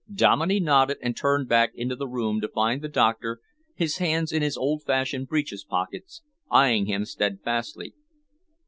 Dominey nodded and turned back into the room to find the doctor, his hands in his old fashioned breeches pockets, eyeing him steadfastly.